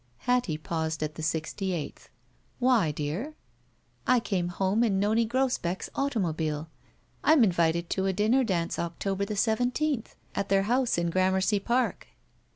Hattie, pausing at the sixty eighth, "Why, dear?" I came home in Nonie Grosbeck's automobile. I'm invited to a dinner dance October the seven teenth. At their house in Gramercy Park."